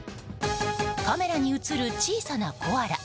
カメラに映る、小さなコアラ。